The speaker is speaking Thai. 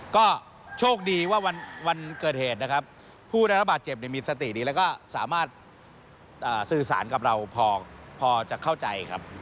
ก็โชคดีว่าวันเกิดเหตุนะครับผู้ได้รับบาดเจ็บมีสติดีแล้วก็สามารถสื่อสารกับเราพอจะเข้าใจครับ